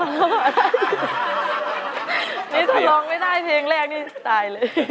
นี่ถ้าร้องไม่ได้เพลงแรกนี่สไตล์เลย